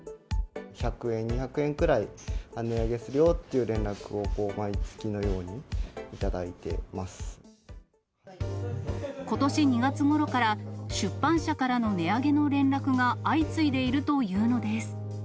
１００円、２００円くらい値上げするよっていう連絡を、毎月のように頂いてことし２月ごろから、出版社からの値上げの連絡が相次いでいるというのです。